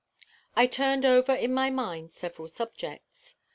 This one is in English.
I turned over in my mind several subjects.